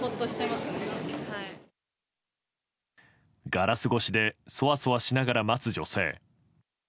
ガラス越しでそわそわしながら待つ女性。